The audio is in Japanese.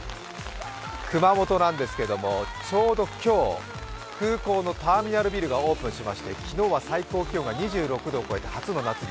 熊本なんですけどもちょうど今日、空港のターミナルビルがオープンしまして昨日は最高気温が２６度を超えて初の夏日。